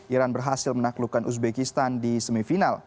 iran berhasil menaklukkan uzbekistan di semifinal